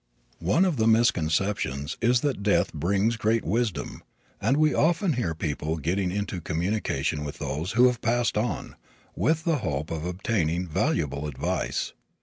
One of the misconceptions is that death brings great wisdom, and we often hear of people getting into communication with those who have passed on, with the hope of obtaining valuable advice.